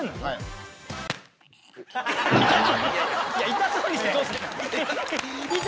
痛そうにしてどうすんだ！